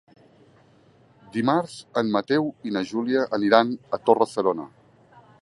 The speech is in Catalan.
Dimarts en Mateu i na Júlia aniran a Torre-serona.